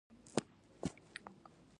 جواهرات د افغانستان د کلتوري میراث برخه ده.